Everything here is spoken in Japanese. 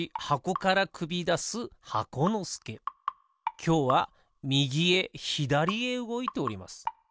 きょうはみぎへひだりへうごいております。